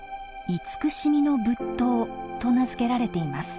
「慈しみの仏塔」と名付けられています。